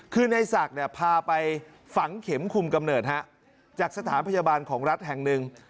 คือในศักดิ์เนี่ยพาไปฝังเข็มคุมกำเนิดจากสถานพยาบาลของรัฐแห่งหนึ่ง